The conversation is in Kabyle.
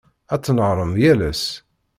Ad tnehhṛem yal ass.